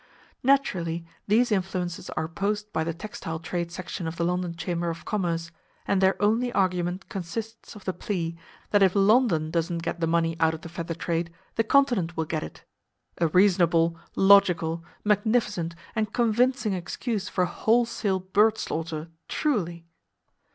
Naturally, these influences are opposed by the Textile Trade Section of the London Chamber of Commerce, and their only argument consists of the plea that if London doesn't get the money out of the feather trade, the Continent will get it! A reasonable, logical, magnificent and convincing excuse for wholesale bird slaughter, truly!